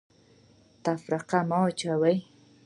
تفرقه مه اچوئ